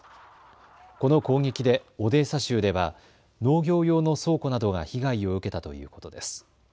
この攻撃でオデーサ州では農業用の倉庫などが被害を受けたということです。